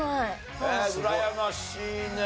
へえうらやましいね。